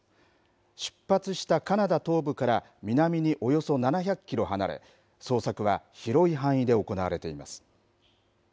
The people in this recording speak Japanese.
出発したカナダ東部から南におよそ７００キロ離れ、捜索は広い範囲で行われています。